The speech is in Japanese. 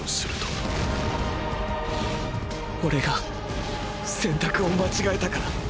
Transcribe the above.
オレが選択を間違えたから。